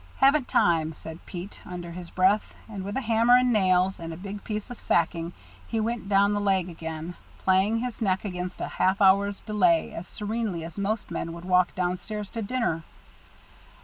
"Haven't time," said Pete, under his breath, and with a hammer and nails, and a big piece of sacking, he went down the leg again, playing his neck against a half hour's delay as serenely as most men would walk downstairs to dinner.